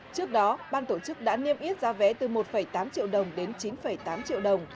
trước đó ban tổ chức đã niêm yết giá vé từ một tám triệu đồng đến chín tám triệu đồng